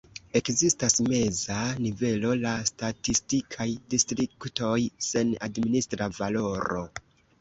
Ekzistas meza nivelo, la statistikaj distriktoj, sen administra valoro.